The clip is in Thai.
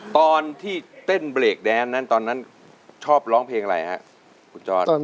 ตอนที่เต้นเบรกดานชอบล้องเพลงอะไรคุณจอน